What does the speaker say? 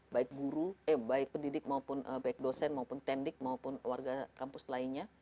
baik pendidik maupun dosen maupun pendidik maupun warga kampus lainnya